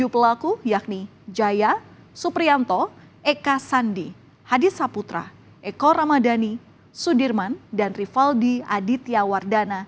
tujuh pelaku yakni jaya suprianto eka sandi hadisaputra eko ramadhani sudirman dan rivaldi adityawardana